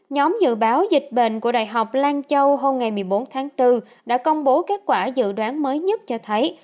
nhóm dự báo dịch bệnh của đại học lan châu hôm ngày một mươi bốn tháng bốn đã công bố kết quả dự đoán mới nhất cho thấy